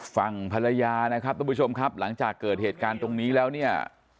ฝั่งภรรยานะครับทุกผู้ชมครับหลังจากเกิดเหตุการณ์ตรงนี้แล้วเนี่ย